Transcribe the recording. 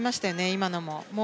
今のも。